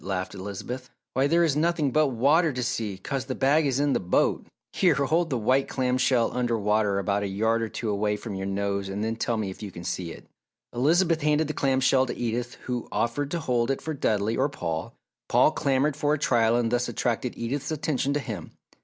laughed Elizabeth. "Why, there is nothing but water to see, 'cause the bag is in the boat. Here, hold this white clam shell under water about a yard or two away from your nose and then tell me if you can see it!" Elizabeth handed the clam shell to Edith who offered to hold it for Dudley or Paul. Paul clamoured for a trial and thus attracted Edith's attention to him.